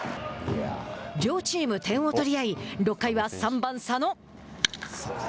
両チーム、点を取り合い６回は３番佐野。